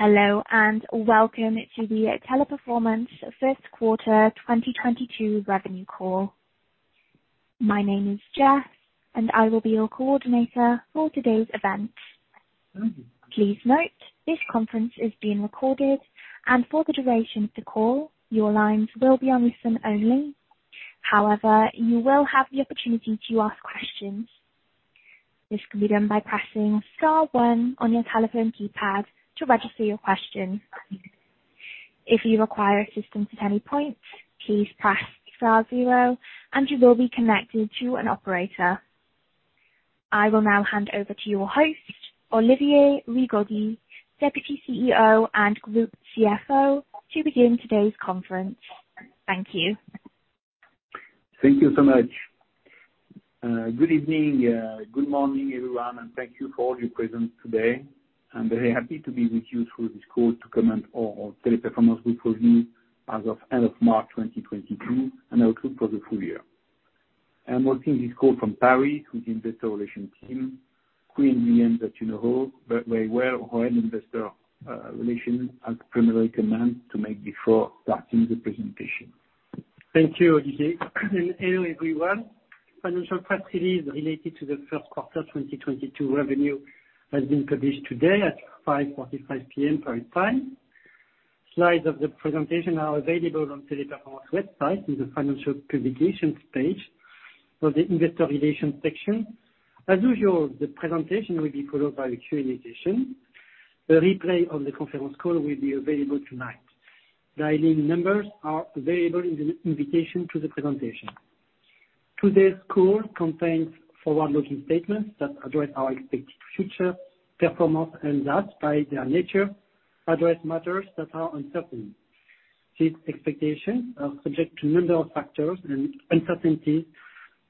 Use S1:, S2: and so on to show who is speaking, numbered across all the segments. S1: Hello, and welcome to the Teleperformance first quarter 2022 revenue call. My name is Jess, and I will be your coordinator for today's event. Please note, this conference is being recorded, and for the duration of the call, your lines will be on listen only. However, you will have the opportunity to ask questions. This can be done by pressing star one on your telephone keypad to register your question. If you require assistance at any point, please press star zero, and you will be connected to an operator. I will now hand over to your host, Olivier Rigaudy, Deputy CEO and Group CFO, to begin today's conference. Thank you.
S2: Thank you so much. Good evening, good morning, everyone, and thank you for all your presence today. I'm very happy to be with you through this call to comment on our Teleperformance Group review as of end of March 2022 and outlook for the full year. I'm hosting this call from Paris with Investor Relations team, whom you know very well. Our primary comment to make before starting the presentation.
S3: Thank you, Olivier. Hello, everyone. Financial press release related to the first quarter 2022 revenue has been published today at 5:45 P.M. Paris time. Slides of the presentation are available on the Teleperformance website in the Financial Publications page of the Investor Relations section. As usual, the presentation will be followed by a Q&A session. A replay of the conference call will be available tonight. Dialing numbers are available in the invitation to the presentation. Today's call contains forward-looking statements that address our expected future performance and thus, by their nature, address matters that are uncertain. These expectations are subject to a number of factors and uncertainties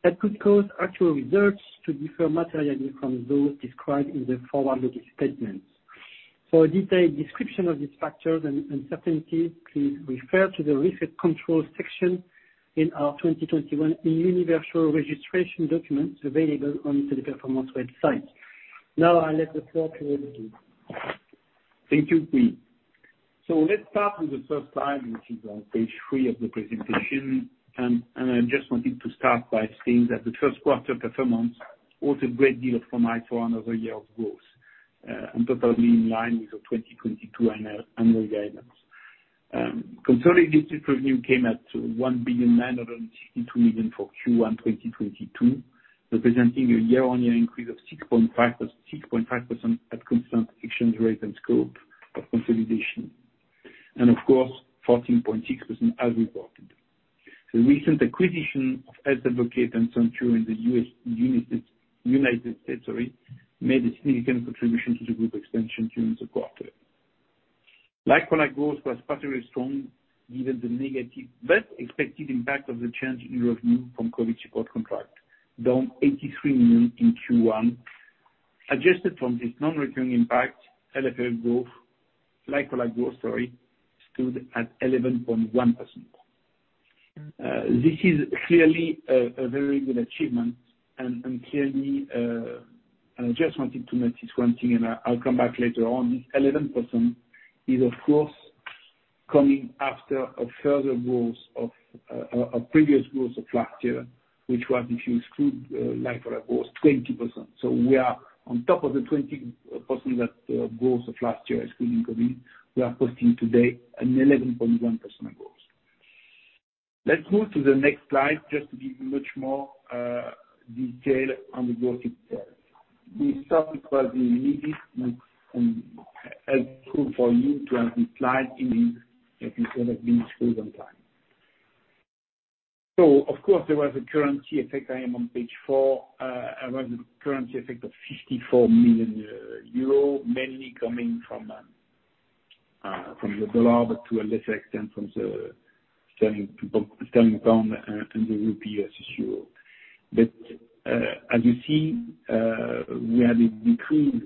S3: that could cause actual results to differ materially from those described in the forward-looking statements. For a detailed description of these factors and uncertainties, please refer to the Risk Controls section in our 2021 universal registration documents available on Teleperformance website. Now I give the floor to Olivier.
S2: Thank you, Quy. Let's start on the first slide, which is on page 3 of the presentation. I just wanted to start by saying that the first quarter performance was a great deal of year-on-year growth, and totally in line with the 2022 annual guidance. Concerning digital revenue came at 1,962 million for Q1 2022, representing a year-on-year increase of 6.5%, 6.5% at constant exchange rate and scope of consolidation. Of course, 14.6% as reported. The recent acquisition of Health Advocate and Senture in the United States made a significant contribution to the group expansion during the quarter. Like-for-like growth was particularly strong given the negative but expected impact of the change in revenue from COVID support contract, down 83 million in Q1. Adjusted from this non-recurring impact, LFL growth, like-for-like growth, sorry, stood at 11.1%. This is clearly a very good achievement and clearly and I just wanted to mention one thing, and I'll come back later on, 11% is of course coming after a further growth of a previous growth of last year, which was, if you exclude like-for-like growth, 20%. We are on top of the 20% that growth of last year excluding COVID, we are posting today an 11.1% growth. Let's move to the next slide just to give you much more detail on the growth itself. We thought it was needed, as proof for you to have this slide in, instead of being excluded online. There was a currency effect. I am on page four. There was a currency effect of 54 million euro mainly coming from the dollar, but to a lesser extent from the pound sterling and the Euro. As you see, we had a decrease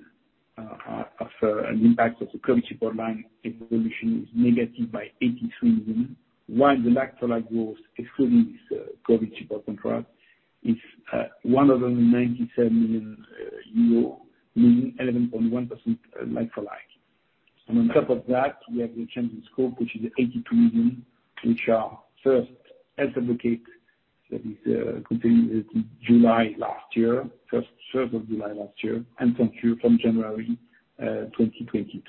S2: of an impact of the COVID support line evolution, which is negative by 83 million, while the like-for-like growth excluding this COVID support contract is 197 million euro, meaning 11.1% like-for-like. On top of that, we have the change in scope, which is 82 million, which are from Health Advocate that is acquired on the first of July last year, and Senture from January 2022.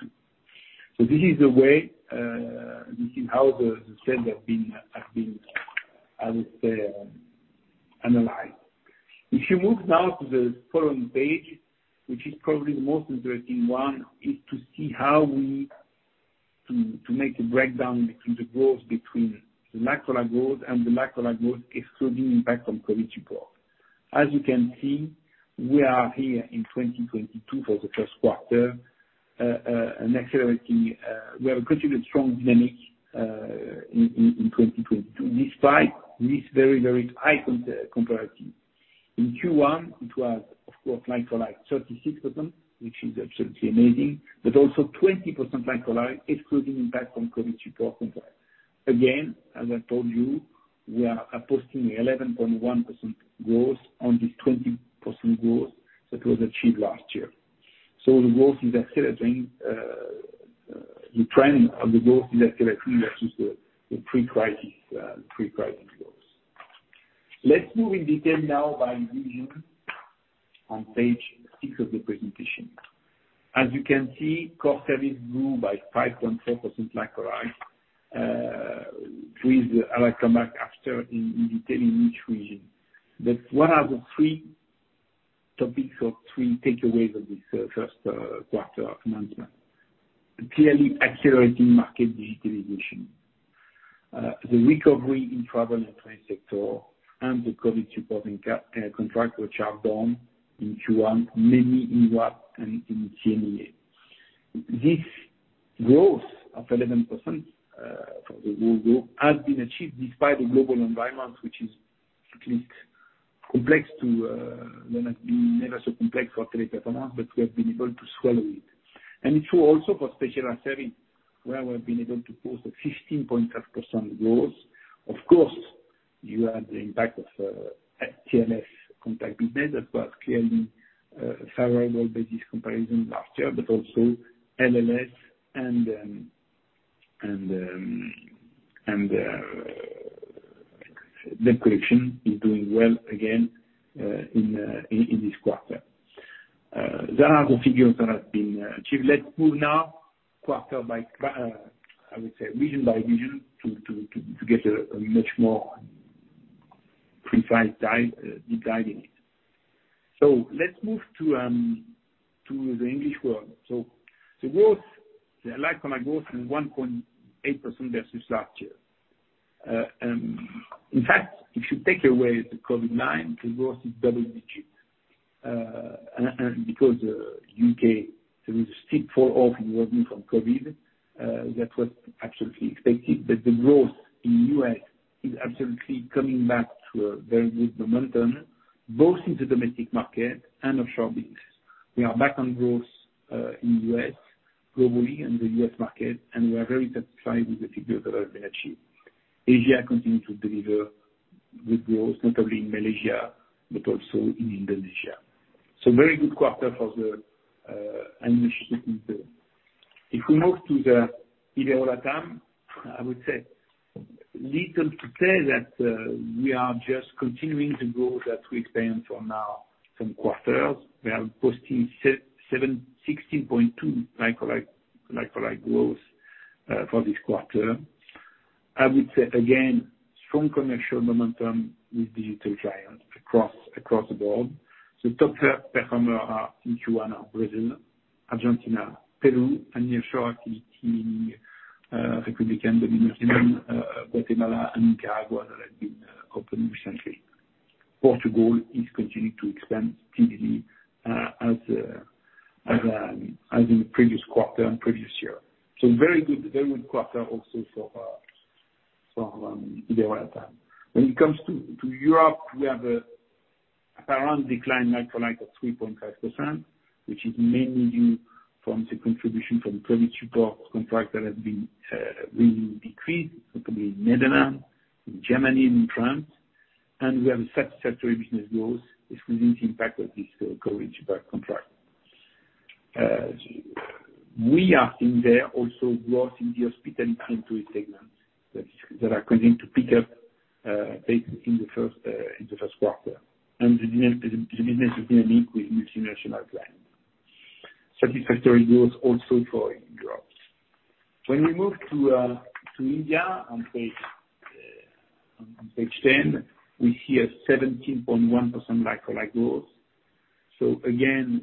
S2: This is a way, this is how the sales have been, I would say, analyzed. If you move now to the following page, which is probably the most interesting one, is to see how we make a breakdown between the like-for-like growth and the like-for-like growth excluding impact from COVID support. As you can see, we are here in 2022 for the first quarter, and accelerating, we have a continued strong dynamic, in 2022, despite this very high comparative. In Q1, it was of course like-for-like 36%, which is absolutely amazing, but also 20% like-for-like excluding impact from COVID support contract. Again, as I told you, we are posting 11.1% growth on the 20% growth that was achieved last year. The growth is accelerating, the trend of the growth is accelerating versus the pre-crisis growth. Let's move into detail now by region on page six of the presentation. As you can see, Core Services grew by 5.4% like-for-like, with, and I come back after in detail in each region. What are the three topics or three takeaways of this first quarter announcement? Clearly accelerating market digitization, the recovery in travel and trade sector and the COVID supporting contract, which are down in Q1, mainly in RAP and in EMEA. This growth of 11%, for the whole group, has been achieved despite the global environment, which is at least complex, may never be so complex for Teleperformance, but we have been able to swallow it. It's true also for Specialized Services, where we've been able to post a 15.5% growth. Of course, you have the impact of the TLS contract business, but clearly favorable business comparison last year, but also LLS and debt collection is doing well again in this quarter. There are the figures that have been achieved. Let's move now. I would say region by region to get a much more precise deep dive into it. Let's move to the English world. The growth, the like-for-like growth is 1.8% versus last year. In fact, if you take away the COVID line, the growth is double digits. Because U.K., there is a steep fall off in revenue from COVID, that was absolutely expected. The growth in U.S. is absolutely coming back to a very good momentum, both in the domestic market and offshore business. We are back on growth in U.S. globally and the U.S. market, and we are very satisfied with the figures that have been achieved. Asia continued to deliver good growth, notably in Malaysia, but also in Indonesia. Very good quarter for the English-speaking world. If we move to the Ibero Latam, I would say little to say that we are just continuing the growth that we experienced for now some quarters. We are posting 16.2 like-for-like growth for this quarter. I would say again, strong commercial momentum with digital giants across the board. The top performer are in Q1 are Brazil, Argentina, Peru, and new Dominican, Guatemala, and Nicaragua that have been opened recently. Portugal is continuing to expand steadily as in previous quarter and previous year. Very good quarter also for Ibero Latam. When it comes to Europe, we have an apparent decline like-for-like of 3.5%, which is mainly due from the contribution from COVID support contract that has been really decreased, particularly in Netherlands, in Germany, and in France. We have a satisfactory business growth, if we didn't impact with this COVID support contract. We are seeing there also growth in the hospitality and tourism segments that are continuing to pick up pace in the first quarter. The business is in line with multinational client. Satisfactory growth also for Europe. When we move to India on page ten, we see a 17.1% like-for-like growth. Again,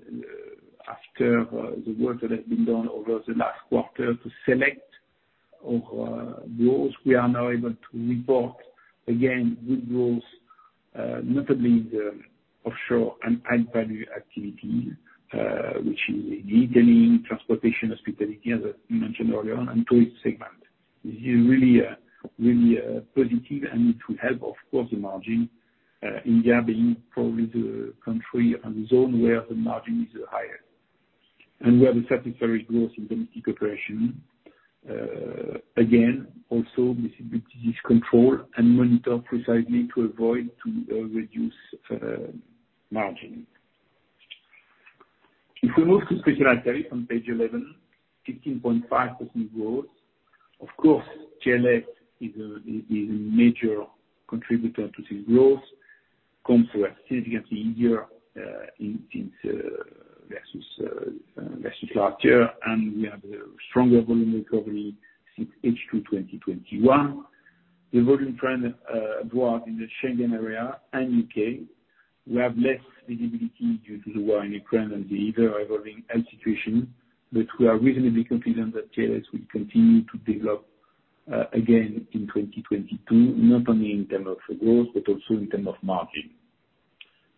S2: after the work that has been done over the last quarter to select our growth, we are now able to report again good growth, notably the offshore and high-value activities, which is detailing, transportation, hospitality, as I mentioned earlier on, and tourism segment is really positive and it will help, of course, the margin, India being probably the country and zone where the margin is higher. We have a satisfactory growth in domestic operation. Again, also visibility is controlled and monitored precisely to avoid to reduce margin. If we move to Specialized Services on page 11, 15.5% growth. Of course, TLS is a major contributor to this growth, comps were significantly easier versus last year, and we have a stronger volume recovery since H2 2021. The volume trend in the Schengen area and U.K. We have less visibility due to the war in Ukraine and the ever-evolving health situation. We are reasonably confident that TLS will continue to develop again in 2022, not only in terms of growth, but also in terms of margin.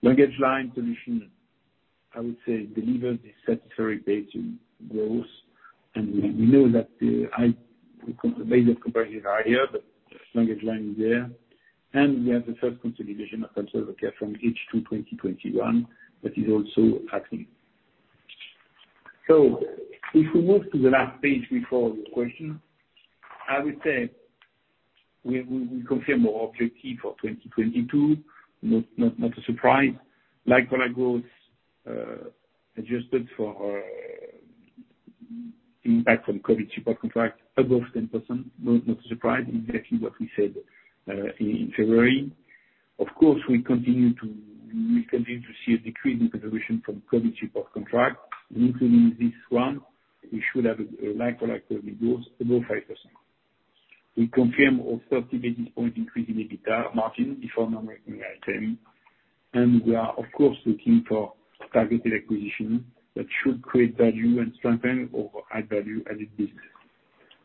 S2: LanguageLine Solutions, I would say, delivered a satisfactory pace of growth. We know that the base of comparison is higher, but LanguageLine is there. We have the third consolidation of Conservare from H2 2021 that is also acting. If we move to the last page before the question, I would say we confirm our objective for 2022. Not a surprise. LFL growth adjusted for impact from COVID support contract above 10%. No, not surprised. Exactly what we said in February. Of course, we continue to see a decrease in contribution from COVID support contract. Including this one, we should have a LFL growth above 5%. We confirm our 30 basis points increase in EBITDA margin before non-recurring item. We are of course looking for targeted acquisition that should create value and strengthen our high value added business.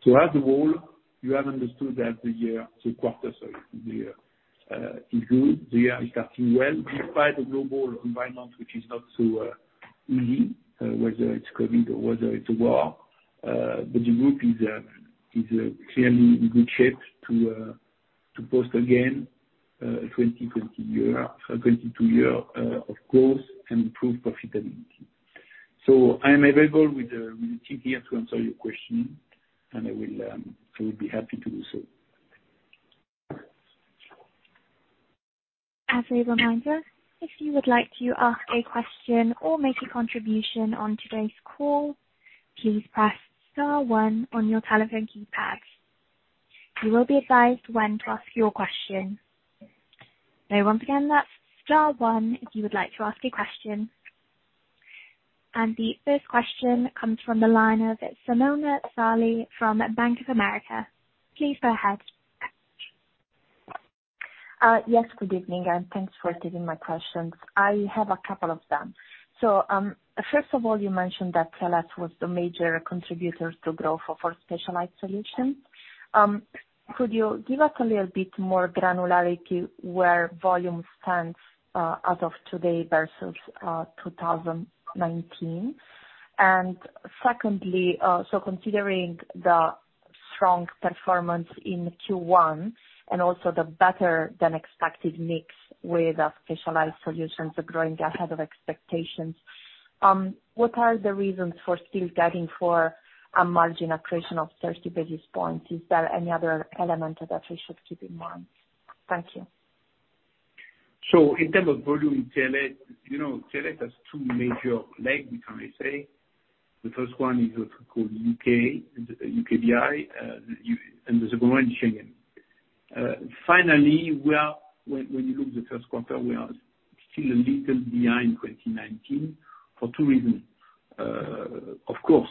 S2: As a whole, you have understood that the quarter is good. The year is starting well despite the global environment, which is not so easy, whether it's COVID or whether it's war. The group is clearly in good shape to post again a 2022 year of growth and improve profitability. I am available with the team here to answer your question, and I will be happy to do so.
S1: As a reminder, if you would like to ask a question or make a contribution on today's call, please press star one on your telephone keypad. You will be advised when to ask your question. So once again, that's star one if you would like to ask a question. The first question comes from the line of Simona Sarli from Bank of America. Please go ahead.
S4: Yes, good evening, and thanks for taking my questions. I have a couple of them. First of all, you mentioned that TLScontact was the major contributor to growth for Specialized Services. Could you give us a little bit more granularity where volume stands, as of today versus 2019? Secondly, considering the strong performance in Q1 and also the better than expected mix with our Specialized Services are growing ahead of expectations, what are the reasons for still guiding for a margin accretion of 30 basis points? Is there any other element that we should keep in mind? Thank you.
S2: In terms of volume, TLScontact, you know, TLScontact has two major legs, can I say. The first one is what we call UKVI and the second one is Schengen. Finally, when you look at the first quarter, we are still a little behind 2019 for two reasons. Of course,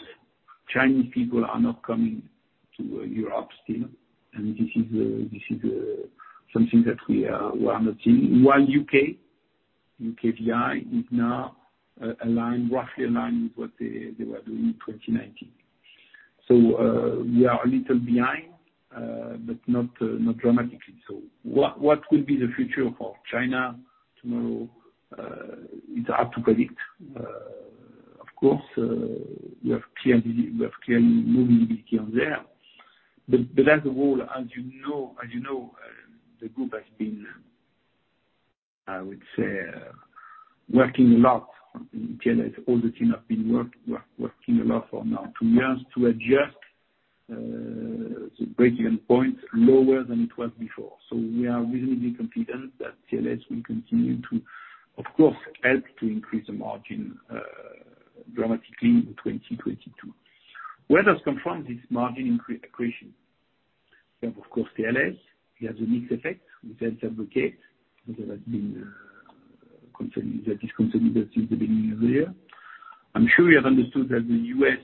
S2: Chinese people are not coming to Europe still, and this is something that we are not seeing. While UKVI is now aligned, roughly aligned with what they were doing in 2019. We are a little behind, but not dramatically. What will be the future for China tomorrow, it's hard to predict. Of course, we have clearly moving ability on there. As a whole, as you know, the group has been, I would say, working a lot. TLScontact, all the team have been working a lot for now two years to adjust the breakeven point lower than it was before. We are reasonably confident that TLScontact will continue to, of course, help to increase the margin dramatically in 2022. Where does confirm this margin accretion? We have of course TLScontact. We have the mix effect with Health Advocate, as it has been continuing, that is continuing since the beginning of the year. I'm sure you have understood that the U.S.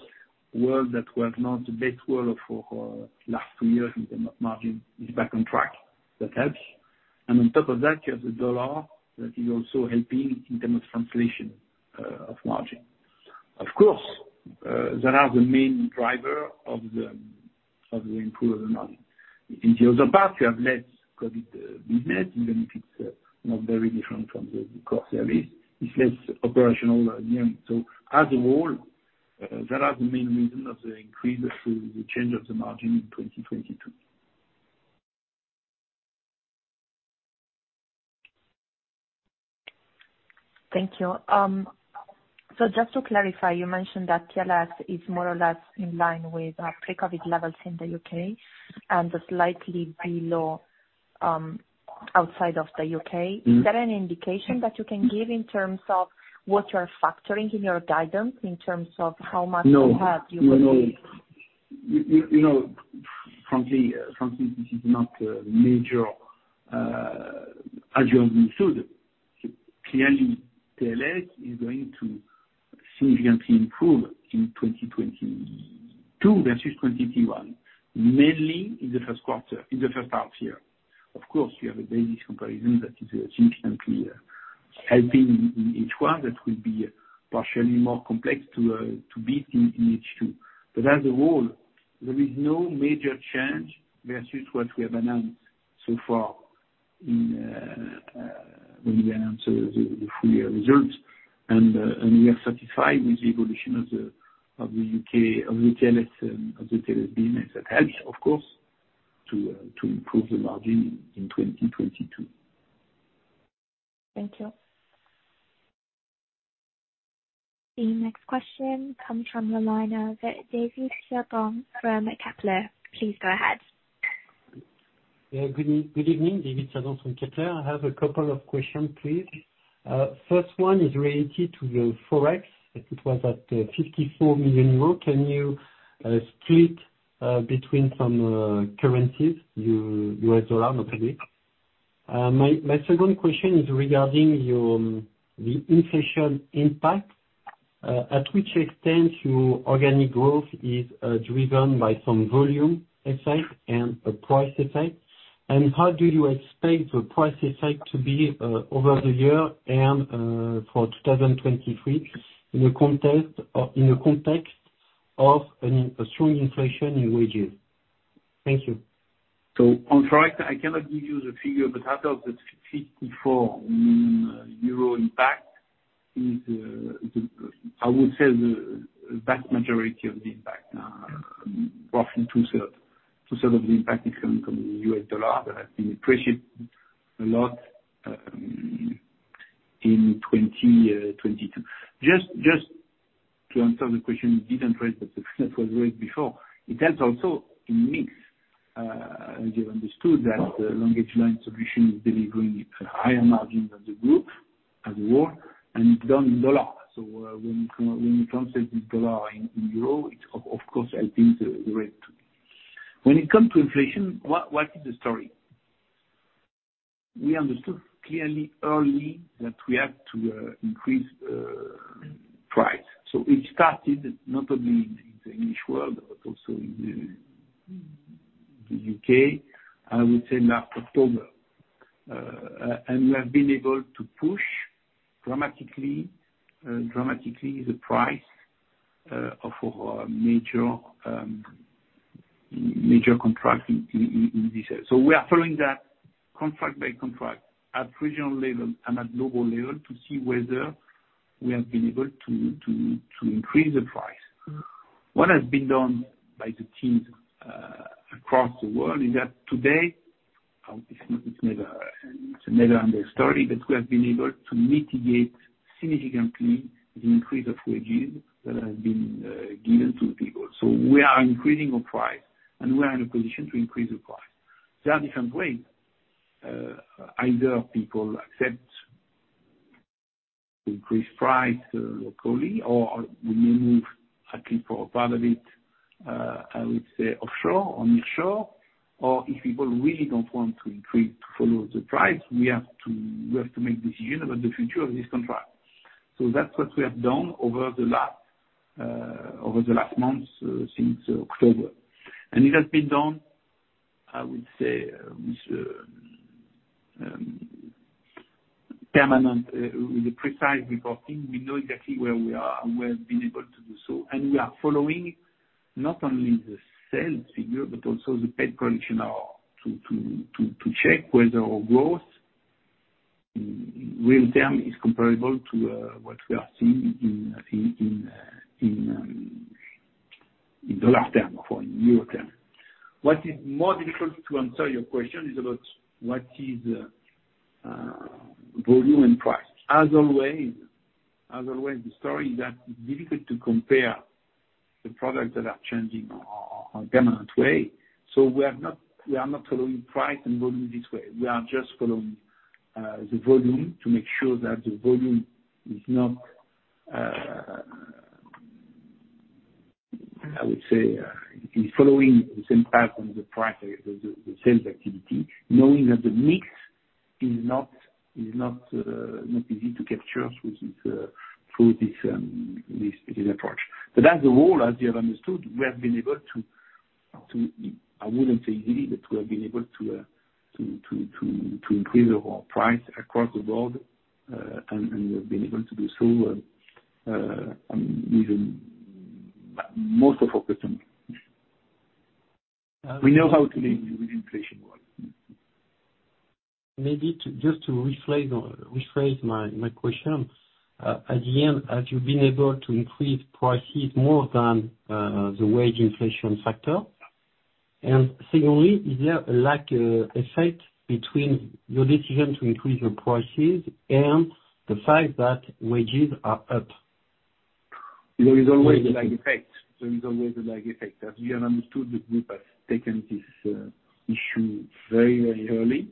S2: world that was not the best world for last two years in terms of margin is back on track. That helps. On top of that, you have the U.S. dollar that is also helping in terms of translation of margin. Of course, that are the main driver of the improvement of the margin. In the other parts, you have less COVID business, even if it's not very different from the Core Services. It's less operational, you know. As a whole, that are the main reason of the change of the margin in 2022.
S4: Thank you. Just to clarify, you mentioned that TLScontact is more or less in line with pre-COVID levels in the U.K. and is slightly below outside of the U.K.
S2: Mm-hmm.
S4: Is there any indication that you can give in terms of what you're factoring in your guidance in terms of how much you have?
S2: No. You know, frankly, this is not a major, as you understood. Clearly TLScontact is going to significantly improve in 2022 versus 2021, mainly in the first quarter, in the first half year. Of course, you have a base comparison that is significantly helping in H1 that will be partially more complex to beat in H2. But as a whole, there is no major change versus what we have announced so far in when we announced the full year results. We are satisfied with the evolution of the U.K. TLScontact business. That helps, of course, to improve the margin in 2022.
S4: Thank you.
S1: The next question comes from the line of David Cerdan from Kepler. Please go ahead.
S5: Yeah. Good evening, David Cerdan from Kepler. I have a couple of questions, please. First one is related to the Forex. It was at 54 million euro. Can you split between some currencies, U.S. dollar, not really. My second question is regarding the inflation impact, at which extent your organic growth is driven by some volume effect and a price effect. How do you expect the price effect to be over the year and for 2023 in the context of a strong inflation in wages? Thank you.
S2: On price, I cannot give you the figure, but out of the 54 impact is the vast majority of the impact, roughly two-thirds of the impact is coming from the U\.S. dollar that has been appreciated a lot in 2022. Just to answer the question you didn't raise, but it was raised before. It ends also in mix. As you have understood that the LanguageLine Solutions is delivering a higher margin than the group as a whole, and it's done in dollar. When we translate the dollar in Euro, it of course helping the rate. When it comes to inflation, what is the story? We understood clearly early that we have to increase price. We started not only in the English world but also in the U.K., I would say, last October. We have been able to push dramatically the price of our major contract in these areas. We are following that contract by contract at regional level and at global level to see whether we have been able to increase the price. What has been done by the teams across the world is that today, it's never-ending story, but we have been able to mitigate significantly the increase of wages that have been given to the people. We are increasing our price, and we are in a position to increase the price. There are different ways. Either people accept increased price locally, or we may move, I think for a part of it, I would say offshore or near shore, or if people really don't want to increase to follow the price, we have to make decision about the future of this contract. That's what we have done over the last months since October. It has been done, I would say, with permanent with a precise reporting. We know exactly where we are and we have been able to do so. We are following not only the sales figure but also the paid collection or to check whether our growth in real term is comparable to what we are seeing in dollar term or in euro term. What is more difficult to answer your question is about what is volume and price. As always, the story is that it's difficult to compare the products that are changing on permanent way. We are not following price and volume this way. We are just following the volume to make sure that the volume I would say is following the same path as the price, the sales activity, knowing that the mix is not easy to capture through this approach. As a whole, as you have understood, we have been able to. I wouldn't say easy, but we have been able to to increase our price across the board, and we've been able to do so, even most of our customers. We know how to live with inflation worldwide.
S5: Maybe to just rephrase my question. At the end, have you been able to increase prices more than the wage inflation factor? Secondly, is there a lag effect between your decision to increase your prices and the fact that wages are up?
S2: There is always a lag effect. As we have understood, the group has taken this issue very early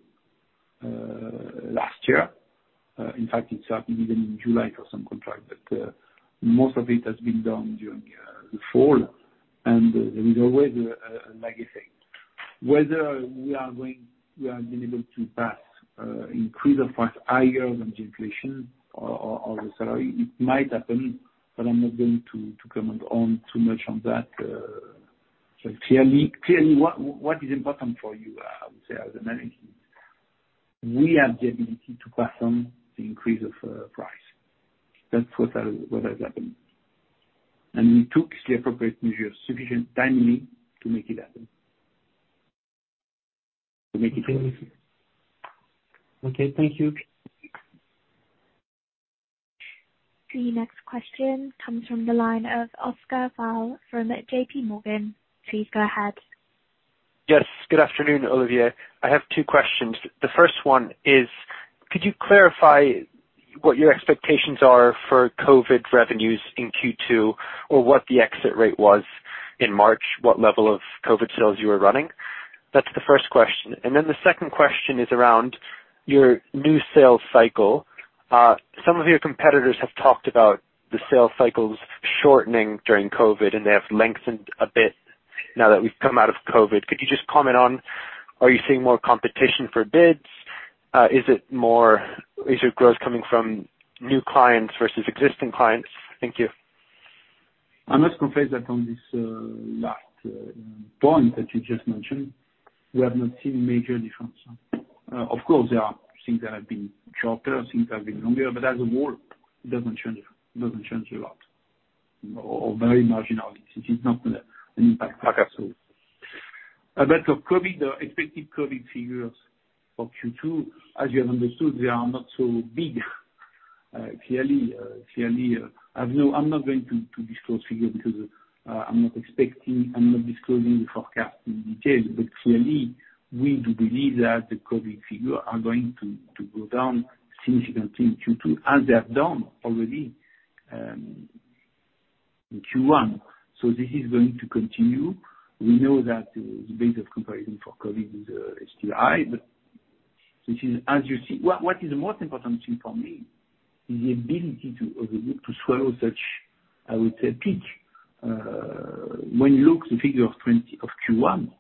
S2: last year. In fact, it's happened even in July for some contract, but most of it has been done during the fall. There is always a lag effect. We have been able to pass increase of price higher than the inflation or the salary, it might happen, but I'm not going to comment on too much on that. Clearly what is important for you, I would say as a manager, we have the ability to pass on the increase of price. That's what has happened. We took the appropriate measures sufficient timely to make it happen. To make it clear.
S5: Okay. Thank you.
S1: The next question comes from the line of Oscar Mayol from JP Morgan. Please go ahead.
S6: Yes. Good afternoon, Olivier. I have two questions. The first one is, could you clarify what your expectations are for COVID revenues in Q2 or what the exit rate was in March, what level of COVID sales you were running? That's the first question. Then the second question is around your new sales cycle. Some of your competitors have talked about the sales cycles shortening during COVID, and they have lengthened a bit now that we've come out of COVID. Could you just comment on are you seeing more competition for bids? Is your growth coming from new clients versus existing clients? Thank you.
S2: I must confess that on this, last point that you just mentioned, we have not seen a major difference. Of course, there are things that have been shorter, things have been longer, but as a whole, it doesn't change a lot, or very marginally. It is not an impact factor. About the COVID, the expected COVID figures for Q2, as you have understood, they are not so big. Clearly, I'm not going to disclose figures because I'm not disclosing the forecast in detail. But clearly we do believe that the COVID figures are going to go down significantly in Q2, as they have done already, in Q1. This is going to continue. We know that the base of comparison for COVID is still high, but this is as you see. What is the most important thing for me is the ability to swallow such, I would say, peak. When you look at the figure for Q1,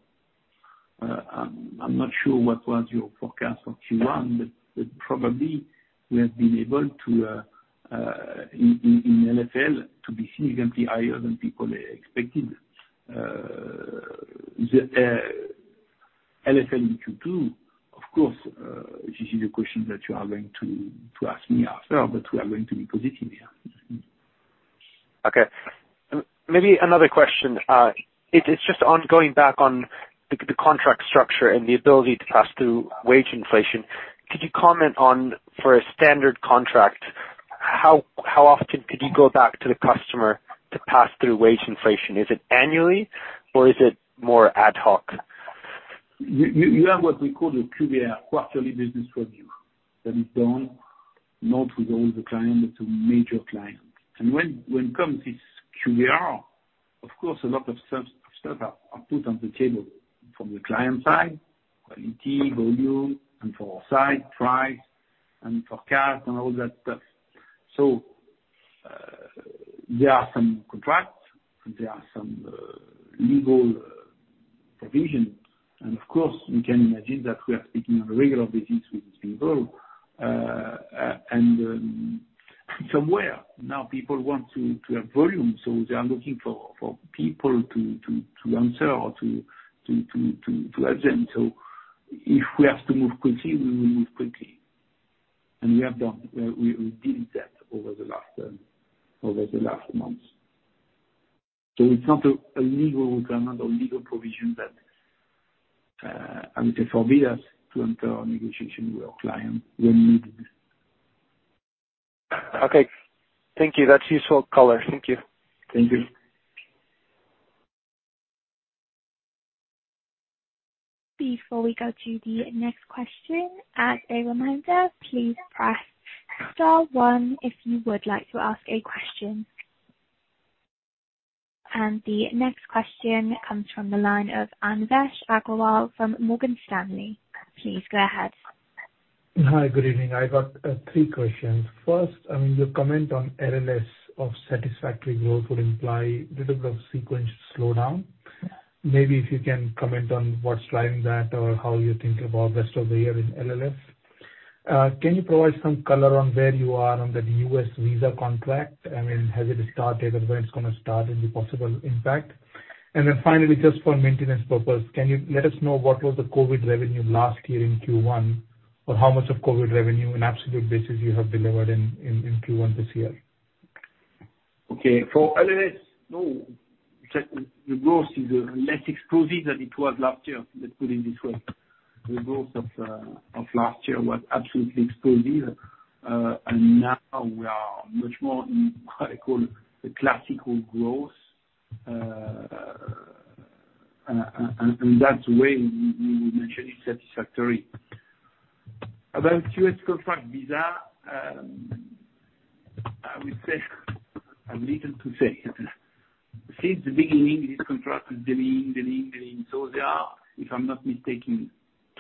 S2: I'm not sure what was your forecast for Q1, but probably we have been able to in LFL to be significantly higher than people expected. The LFL in Q2, of course, this is a question that you are going to ask me after, but we are going to be positive here.
S6: Okay. Maybe another question. It's just on going back on the contract structure and the ability to pass through wage inflation. Could you comment on, for a standard contract, how often could you go back to the customer to pass through wage inflation? Is it annually or is it more ad hoc?
S2: You have what we call the QBR, quarterly business review, that is done not with all the clients, but to major clients. When comes this QBR, of course, a lot of stuff are put on the table from the client side, quality, volume, and for our side, price and forecast and all that stuff. There are some contracts, and there are some legal provisions, and of course, you can imagine that we are speaking on a regular basis with these people. And somewhere now people want to have volume, so they are looking for people to answer or to help them. If we have to move quickly, we will move quickly. We have done that over the last months. It's not a legal requirement or legal provision that, I would say, forbid us to enter a negotiation with a client when needed.
S6: Okay. Thank you. That's useful color. Thank you.
S2: Thank you.
S1: Before we go to the next question, as a reminder, please press star one if you would like to ask a question. The next question comes from the line of Anvesh Agrawal from Morgan Stanley. Please go ahead.
S7: Hi. Good evening. I've got three questions. First, I mean, your comment on LLS of satisfactory growth would imply little bit of sequential slowdown. Maybe if you can comment on what's driving that or how you think about rest of the year in LLS. Can you provide some color on where you are on the U.S. visa contract? I mean, has it started, or when it's gonna start and the possible impact? Then finally, just for maintenance purpose, can you let us know what was the COVID revenue last year in Q1, or how much of COVID revenue in absolute basis you have delivered in Q1 this year?
S2: Okay. For LLS, the growth is less explosive than it was last year. Let's put it this way. The growth of last year was absolutely explosive. Now we are much more in what I call the classical growth. That's why we would mention it's satisfactory. About U.S. contract visa, I would say I've little to say. Since the beginning, this contract is delaying. There are, if I'm not mistaken,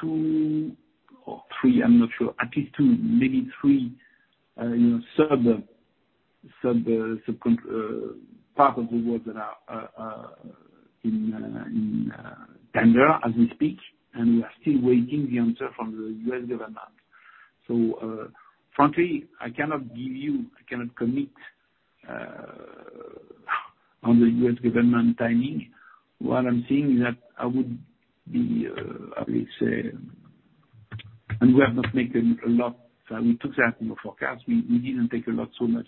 S2: two or three. I'm not sure, at least two, maybe three, you know, part of the world that are in tender as we speak. We are still waiting the answer from the U.S. government. Frankly, I cannot give you, I cannot commit on the U.S. government timing. What I'm saying is that we have not made a lot, we took that in the forecast. We didn't take a lot so much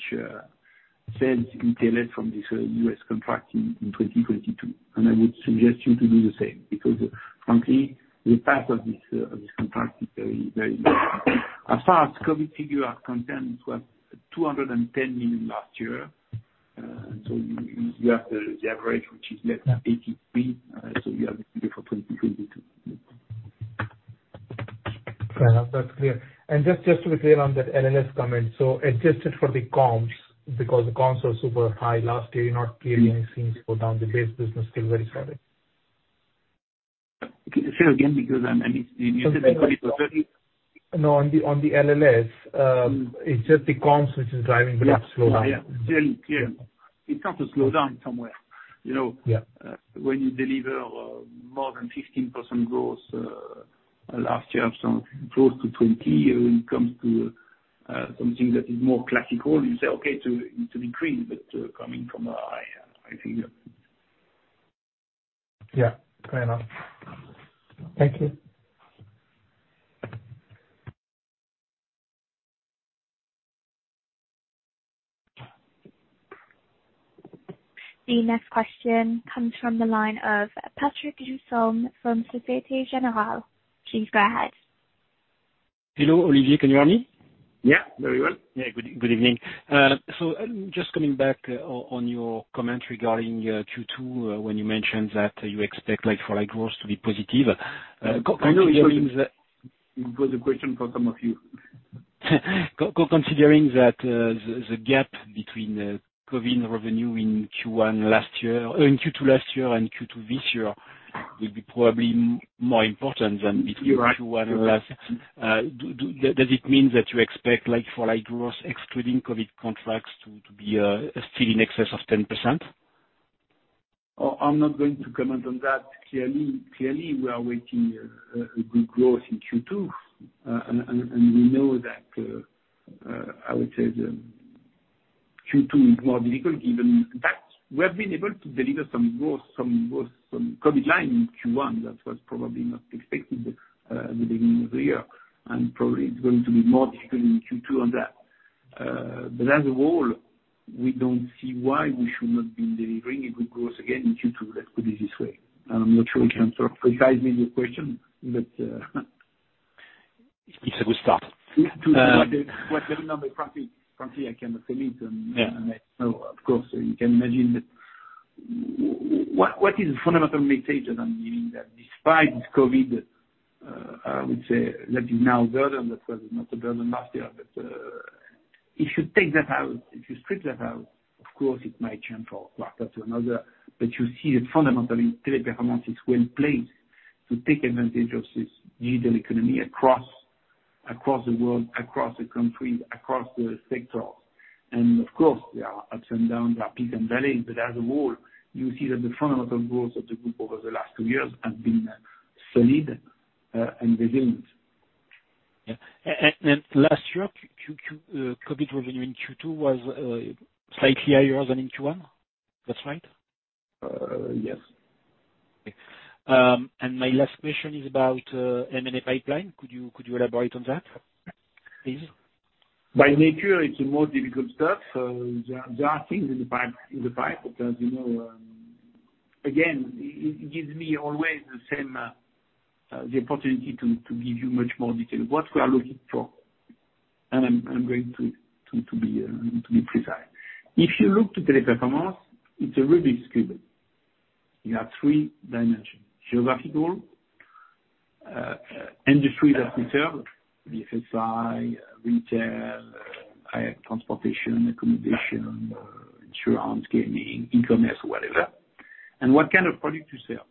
S2: sales derived from this U.S. contract in 2022. I would suggest you to do the same, because frankly, the payout from this contract is very low. As far as COVID figures are concerned, it was 210 million last year. You have to average, which is less than 83 million. You have it for 2022.
S7: Fair enough. That's clear. Just to be clear on that LLS comment, so adjusted for the comps, because the comps were super high last year, you're not clearly seeing pull down the base business still very solid.
S2: Say again, because I need
S7: No, on the LLS.
S2: Mm-hmm.
S7: It's just the comps which is driving the slowdown.
S2: Yeah. Still, yeah. It's got to slow down somewhere. You know.
S7: Yeah.
S2: When you deliver more than 15% growth last year, so close to 20%, when it comes to something that is more classical, you say, "Okay, to decrease, but coming from a high, I figure.
S7: Yeah. Fair enough. Thank you.
S1: The next question comes from the line of Patrick Jousseaume from Société Générale. Please go ahead.
S8: Hello, Olivier. Can you hear me?
S2: Yeah. Very well.
S8: Yeah. Good evening. Just coming back on your comment regarding Q2, when you mentioned that you expect like for like growth to be positive.
S2: I know it means that.
S8: Considering that, the gap between COVID revenue in Q2 last year and Q2 this year will be probably more important than between
S2: You're right.
S8: Q1 last, does it mean that you expect like-for-like growth excluding COVID contracts to be still in excess of 10%?
S2: I'm not going to comment on that. Clearly we are waiting a good growth in Q2. We know that I would say the Q2 is more difficult given that we have been able to deliver some growth from COVID line in Q1, that was probably not expected at the beginning of the year. Probably it's going to be more difficult in Q2 on that. But as a whole, we don't see why we should not be delivering a good growth again in Q2. Let's put it this way. I'm not sure I can sort of precisely your question, but...
S8: It's a good start.
S2: To know what the number traffic, frankly, I cannot tell it.
S8: Yeah.
S2: Of course, you can imagine that what is the fundamental message? I'm meaning that despite COVID, I would say that is now a burden, that was not a burden last year. If you take that out, if you strip that out, of course it might change a quarter to another. You see that fundamentally, Teleperformance is well placed to take advantage of this digital economy across the world, across the country, across the sector. Of course, there are ups and downs, there are peaks and valleys, but as a whole, you see that the fundamental growth of the group over the last two years has been solid and resilient.
S8: Yeah. Last year, COVID revenue in Q2 was slightly higher than in Q1. That's right?
S2: Yes.
S8: My last question is about M&A pipeline. Could you elaborate on that, please?
S2: By nature, it's a more difficult stuff. There are things in the pipeline. As you know, again, it gives me always the same opportunity to give you much more detail. What we are looking for, and I'm going to be precise. If you look at Teleperformance, it's a Rubik's Cube. You have three dimensions. Geographical, industry that we serve, the SSI, retail, transportation, accommodation, insurance, gaming, e-commerce, whatever. What kind of product you sell.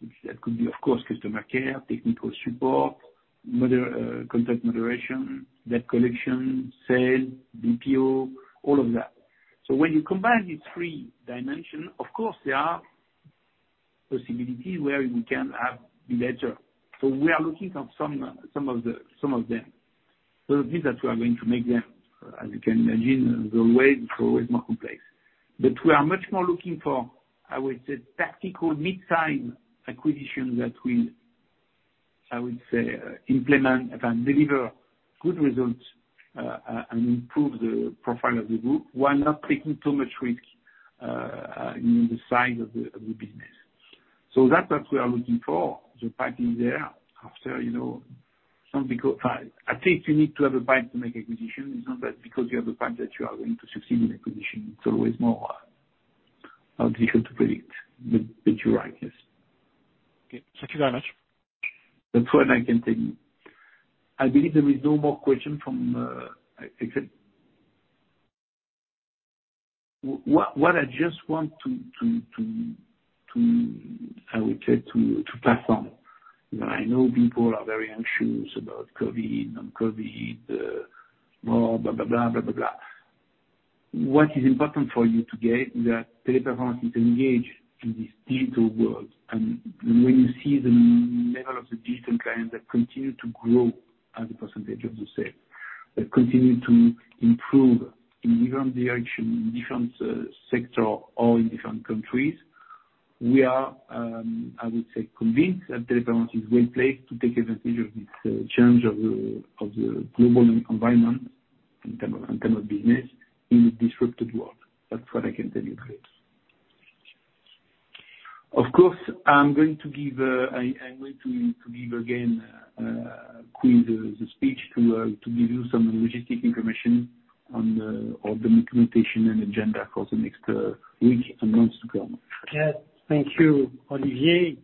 S2: Which could be, of course, customer care, technical support, content moderation, debt collection, sales, BPO, all of that. When you combine these three dimensions, of course there are possibilities where we can have better. We are looking at some of them. It means that we are going to make them, as you can imagine, the way forward is more complex. We are much more looking for, I would say, tactical mid-size acquisitions that will, I would say, implement and deliver good results, and improve the profile of the group, while not taking too much risk, in the size of the business. That's what we are looking for. The pipe is there. After, you know, I think you need to have a pipe to make acquisition. It's not that because you have the pipe that you are going to succeed in acquisition. It's always more difficult to predict. You're right. Yes.
S8: Okay. Thank you very much.
S2: That's all I can tell you. I believe there is no more question from, except what I just want to, I would say, to platform. I know people are very anxious about COVID, non-COVID, blah, blah, blah. What is important for you to get, that Teleperformance is engaged in this digital world. When you see the level of the digital clients that continue to grow as a percentage of the sales, that continue to improve in different direction, in different sector or in different countries, we are, I would say, convinced that Teleperformance is well placed to take advantage of this, change of the global environment in terms of business in a disrupted world. That's what I can tell you, Chris. Of course, I'm going to give again Quy Nguyen-Ngoc the speech to give you some logistic information on the communication and agenda for the next week and months to come.
S3: Yes. Thank you, Olivier.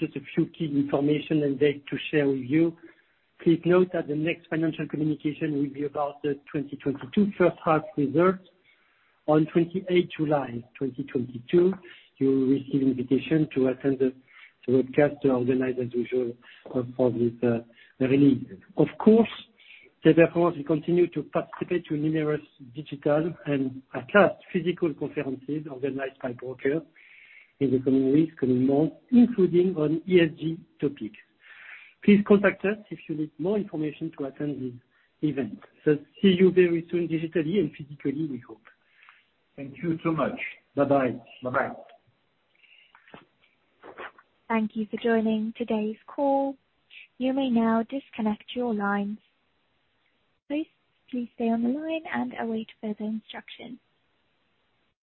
S3: Just a few key information and date to share with you. Please note that the next financial communication will be about the 2022 first half results on 28 July 2022. You will receive invitation to attend the webcast organized as usual for this release. Of course, Teleperformance will continue to participate to numerous digital and at least physical conferences organized by brokers in the coming weeks, coming months, including on ESG topic. Please contact us if you need more information to attend this event. See you very soon, digitally and physically, we hope.
S2: Thank you so much.
S3: Bye-bye.
S2: Bye-bye.
S1: Thank you for joining today's call. You may now disconnect your lines. Please, please stay on the line and await further instruction.